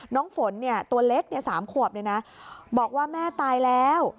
น้องฝนตัวเล็ก๓ขวบบอกว่าแม่ตายแล้ว